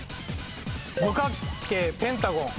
五角形ペンタゴン。